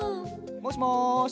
もしもし。